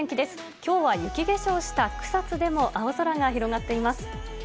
今日は雪化粧した草津でも青空が広がっています。